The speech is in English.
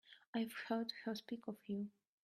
I've heard her speak of you.